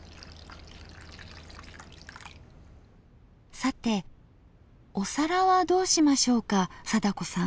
さてお皿はどうしましょうか貞子さん。